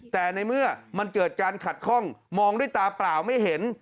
แต่ในเมื่อเกิดจากการขัดคล่องมองด้วยตาพลาวไม่เห็น